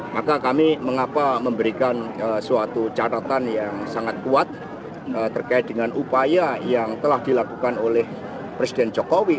maka kami mengapa memberikan suatu catatan yang sangat kuat terkait dengan upaya yang telah dilakukan oleh presiden jokowi